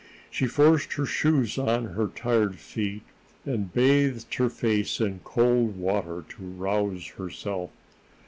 She forced her shoes on her tired feet, and bathed her face in cold water to rouse herself.